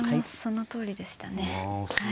そのとおりでしたね。